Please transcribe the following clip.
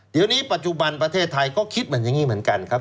เดี๋ยวนี้ปัจจุบันประเทศไทยก็คิดเหมือนอย่างนี้เหมือนกันครับ